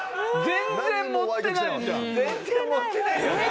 全然盛ってないよね。